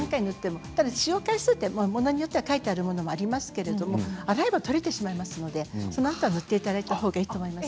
使用回数が書いてあるものもありますけれども洗えば取れてしまいますのでそのあとは塗っていただいたほうがいいと思います。